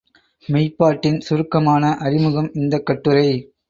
மெய்ப் பாட்டின் சுருக்கமான அறிமுகம் இந்தக் கட்டுரை.